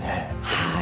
はい。